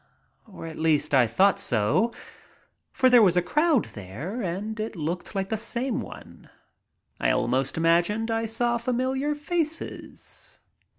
Or at least I thought so, for there was a crowd there and it looked like the same one. I almost imagined I saw familiar faces.